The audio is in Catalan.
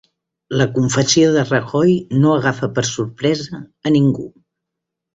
La confessió de Rajoy no agafa per sorpresa a ningú